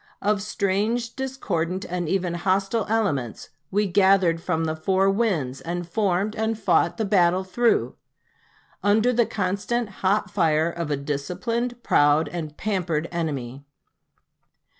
Of strange, discordant, and even hostile elements we gathered from the four winds, and formed and fought the battle through, under the constant hot fire of a disciplined, proud, and pampered enemy.